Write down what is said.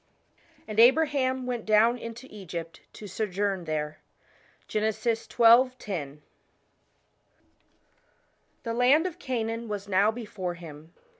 "And Abraham went down into Egypt to sojourn there." GEN. xii. *0. THE land of Canaan was now before him.